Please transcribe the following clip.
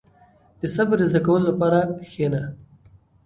• د صبر د زده کولو لپاره کښېنه.